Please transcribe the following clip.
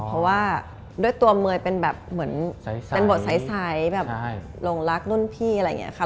เพราะว่าด้วยตัวเมย์เป็นแบบเหมือนเป็นบทใสแบบหลงรักรุ่นพี่อะไรอย่างนี้ค่ะ